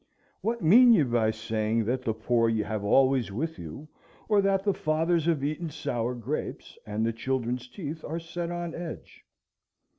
What mean ye by saying that the poor ye have always with you, or that the fathers have eaten sour grapes, and the children's teeth are set on edge?